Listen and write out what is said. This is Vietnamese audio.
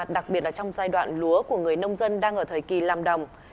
đặc biệt là trong giai đoạn lúa của người nông dân đang ở thời kỳ làm đồng